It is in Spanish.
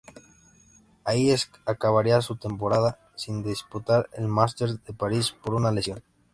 Ahí acabaría su temporada, sin disputar el Masters de París por una lesión.